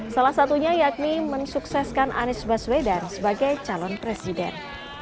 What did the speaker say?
salah satunya yakni mensukseskan anies baswedan sebagai calon presiden